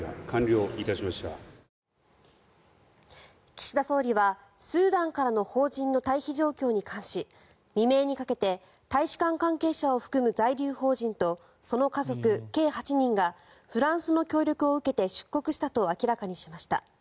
岸田総理はスーダンからの邦人の退避状況に関し未明にかけて大使館関係者を含む在留邦人とその家族、計８人がフランスの協力を受けて出国したと明らかにしました。